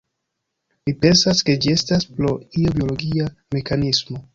Mi pensas ke ĝi estas pro io biologia mekanismo